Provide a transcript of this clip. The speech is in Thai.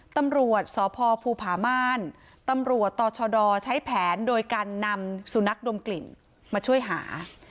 ตำรวจสพภูผาม่านตำรวจต่อชดใช้แผนโดยการนำสุนัขดมกลิ่นมาช่วยหา